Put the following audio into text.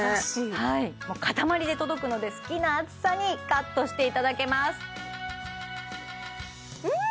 はい塊で届くので好きな厚さにカットしていただけますうん！